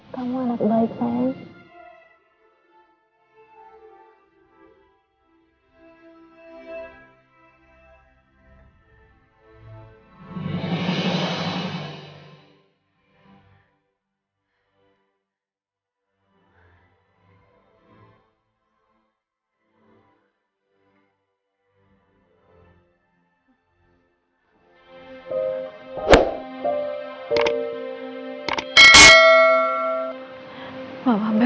kamu anak baik om